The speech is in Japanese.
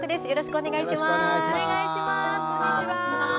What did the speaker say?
よろしくお願いします。